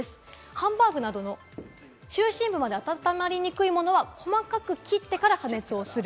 ハンバーグなどの中心部まで温まりにくいものは、細かく切ってから加熱をする。